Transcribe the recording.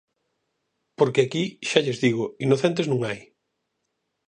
Porque aquí, xa lles digo, inocentes non hai.